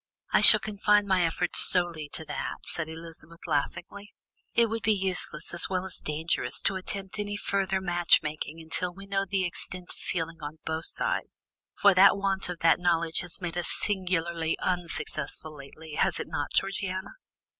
"I shall confine my efforts solely to that," said Elizabeth laughingly. "It would be useless as well as dangerous to attempt any further matchmaking until we know the extent of feeling on both sides, for that want of that knowledge has made us singularly unsuccessful lately, has it not, Georgiana?"